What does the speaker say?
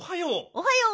おはよう。